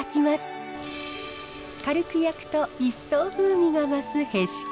軽く焼くと一層風味が増すへしこ。